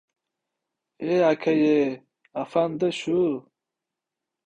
E, aka-ye! Afandi! Shu!